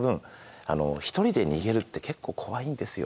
あの一人で逃げるって結構怖いんですよ。